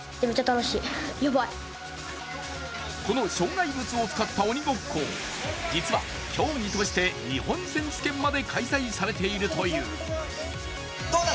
この障害物を使った鬼ごっこ、実は競技として日本選手権まで開催されているという。